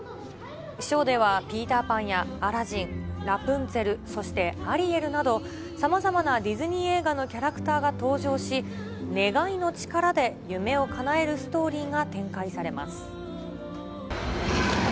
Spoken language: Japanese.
ショーではピーターパンやアラジン、ラプンツェル、そしてアリエルなど、さまざまなディズニー映画のキャラクターが登場し、願いの力で夢をかなえるストーリーが展開されます。